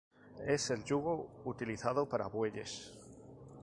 Es el yugo utilizado para bueyes.